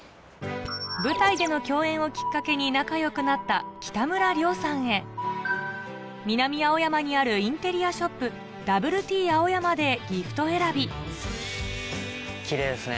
舞台での共演をきっかけに仲良くなった北村諒さんへ南青山にあるインテリアショップＷＴＷＡＯＹＡＭＡでギフト選びキレイですね